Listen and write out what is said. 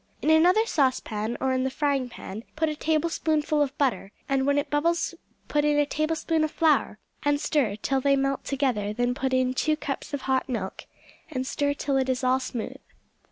In another saucepan or in the frying pan put a tablespoonful of butter, and when it bubbles put in a tablespoonful of flour, and stir till they melt together; then put in two cups of hot milk, and stir till it is all smooth.